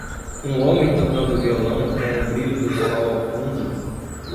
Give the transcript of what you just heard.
Um homem tocando violão com um brilho do sol ao fundo